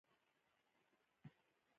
د مصري لوی مفکر فرج فوده قاتل وپوښت.